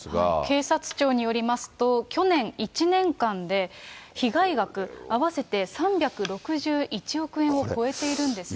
警察庁によりますと、去年１年間で、被害額、合わせて３６１億円を超えているんですね。